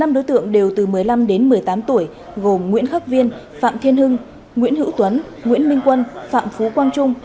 năm đối tượng đều từ một mươi năm đến một mươi tám tuổi gồm nguyễn khắc viên phạm thiên hưng nguyễn hữu tuấn nguyễn minh quân phạm phú quang trung